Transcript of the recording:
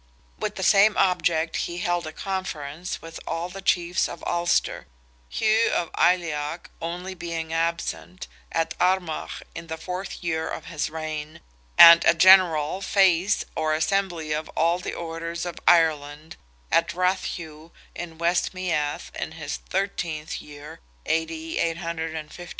With the same object he held a conference with all the chiefs of Ulster, Hugh of Aileach only being absent, at Armagh, in the fourth year of his reign, and a General Feis, or Assembly of all the Orders of Ireland, at Rathugh, in West Meath, in his thirteenth year (A.D. 857).